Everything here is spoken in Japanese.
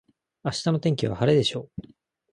明日の天気は晴れでしょう。